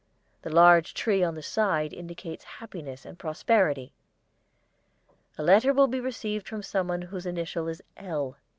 The large tree on the side indicates happiness and prosperity. A letter will be received from someone whose initial is 'L.'